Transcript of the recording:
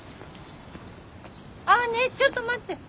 あねえちょっと待って。